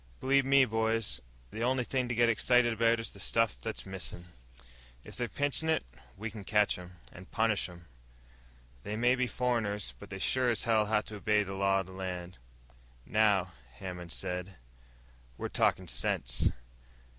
"Believe me, boys, the only thing to get excited about is the stuff that's missin'. If they're pinchin' it, we can catch 'em, and punish 'em. They may be foreigners but they sure as hell have to obey the law of the land!" "Now," Hammond said, "we're talking sense."